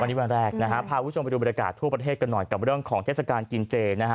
วันนี้วันแรกนะฮะพาคุณผู้ชมไปดูบรรยากาศทั่วประเทศกันหน่อยกับเรื่องของเทศกาลกินเจนะฮะ